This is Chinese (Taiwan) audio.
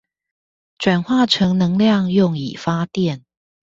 轉化成能量用以發電